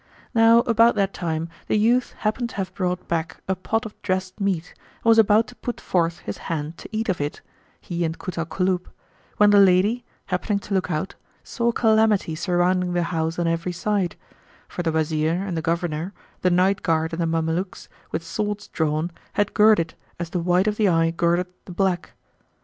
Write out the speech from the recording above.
Now about that time the youth happened to have brought back a pot of dressed meat and was about to put forth his hand to eat of it, he and Kut al Kulub, when the lady, happening to look out saw calamity surrounding the house on every side; for the Wazir and the Governor, the night guard and the Mamelukes with swords drawn had girt it as the white of the eye girdeth the black.